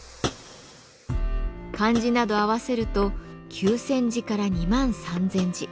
漢字など合わせると９，０００字から２万３，０００字。